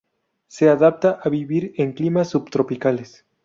Se adapta a vivir en climas subtropicales.